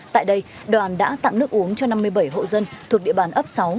tại đây đoàn đã tặng nước uống cho năm mươi bảy hộ dân thuộc địa bàn ấp sáu